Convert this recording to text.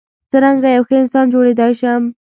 څرنګه یو ښه انسان جوړیدای شم.